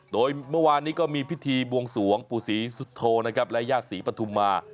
โดยเมื่อวานนี้ก็มีพิธีบวงสวงปู่ศรีสุโธนะครับและญาติศรีปฐุมมา